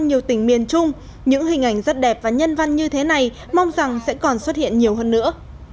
nói chung những hình ảnh rất đẹp và nhân văn như thế này mong rằng sẽ còn xuất hiện nhiều hơn nữa